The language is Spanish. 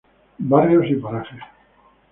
Barrios y Parajes.